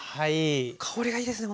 香りがいいですね